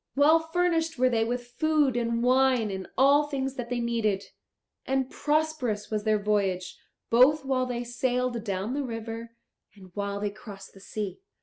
Well furnished were they with food and wine and all things that they needed; and prosperous was their voyage, both while they sailed down the river and while they crossed the sea.